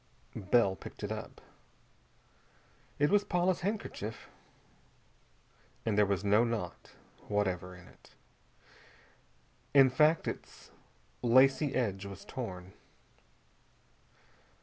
Bell picked it up. It was Paula's handkerchief, and there was no knot whatever in it. In fact, its lacy edge was torn.